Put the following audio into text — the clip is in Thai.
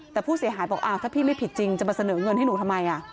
แต่ผู้เสียหายบอกถ้าพี่ไม่ผิดจริงจะมาเสนอเงินให้หนูทำไม